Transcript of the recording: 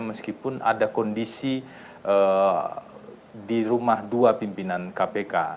meskipun ada kondisi di rumah dua pimpinan kpk